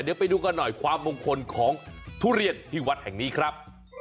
เดี๋ยวไปดูกันหน่อยความมงคลของทุเรียนที่วัดแห่งนี้ครับ